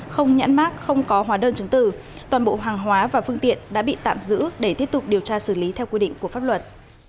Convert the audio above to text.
không nhãn mát không có hóa đơn chứng tử toàn bộ hàng hóa và phương tiện đã bị tạm giữ để tiếp tục điều tra xử lý theo quy định của pháp luật